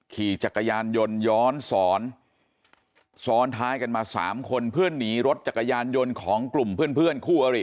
ขี่จักรยานยนต์ย้อนสอนซ้อนท้ายกันมาสามคนเพื่อนหนีรถจักรยานยนต์ของกลุ่มเพื่อนคู่อริ